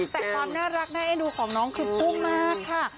แต่ความน่ารักน่าเอ็นดูของน้องคือพุ่งมากค่ะ